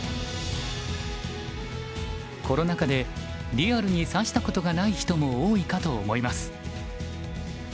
コロナ禍でリアルに指したことがない人も多いかと思います。